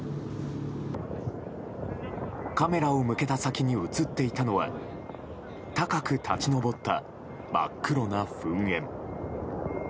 カメラを向けた先に映っていたのは高く立ち上った真っ黒な噴煙。